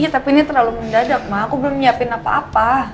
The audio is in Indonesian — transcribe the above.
tapi ini terlalu mendadak mah aku belum nyiapin apa apa